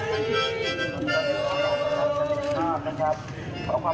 มีบางซักวัน